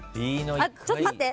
あっちょっと待って。